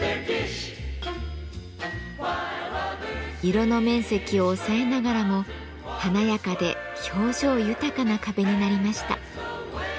色の面積を抑えながらも華やかで表情豊かな壁になりました。